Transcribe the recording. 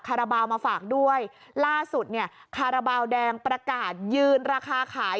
คาราบาลมาฝากด้วยล่าสุดเนี่ยคาราบาลแดงประกาศยืนราคาขาย